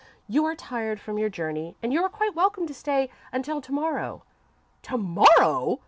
You are tired from your journey, and you are quite welcome to stay until to morrow." "To morrow!"